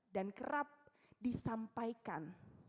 dan kerap disampaikan